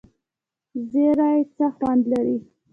زیره څه خوند لري؟